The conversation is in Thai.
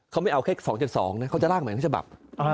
เขาไม่เอาแค่๒๗๒นะเขาจะร่างใหม่ทั้งฉบับ